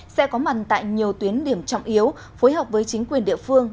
sẽ có mặt tại nhiều tuyến điểm trọng yếu phối hợp với chính quyền địa phương